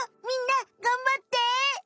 みんながんばって。